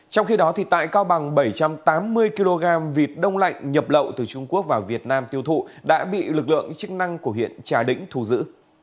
trong khi đó tại cao bằng bảy trăm tám mươi kg vịt đông lạnh nhập lậu từ trung quốc vào việt nam tiêu thụ đã bị lực lượng chức năng của huyện trà lĩnh thù giữ